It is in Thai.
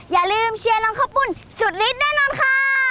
อย่าลืมเชียร์น้องข้าวปุ่นสุดฤทธิ์แน่นอนค่ะ